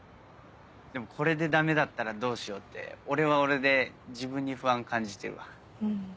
でもこれでダメだったらどうしようって俺は俺で自分に不安感じてるわ。